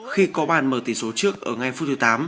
khi có bàn mở tỷ số trước ở ngay phút thứ tám